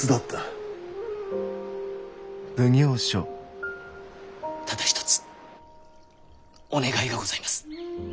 ただ一つお願いがございます。